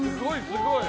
すごい！